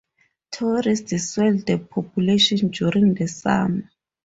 Tourists swell the population during the summer.